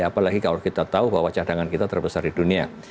apalagi kalau kita tahu bahwa cadangan kita terbesar di dunia